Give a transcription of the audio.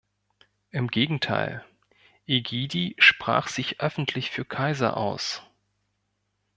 Im Gegenteil: Egidi sprach sich öffentlich für Kaiser aus.